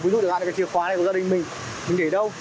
ví dụ là cái chìa khóa này của gia đình mình mình để đâu